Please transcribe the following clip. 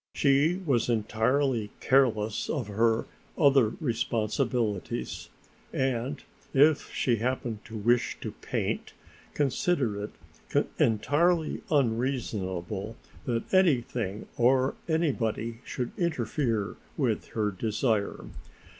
She was entirely careless of her other responsibilities, and, if she happened to wish to paint, considered it entirely unreasonable that anything or anybody should interfere with her desire.